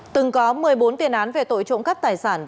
từng có một mươi bốn tiền án về tội trộm cắp tài sản